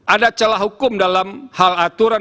ada celah hukum dalam hal aturan